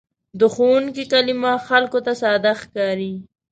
د ښوونکي کلمه خلکو ته ساده ښکاري.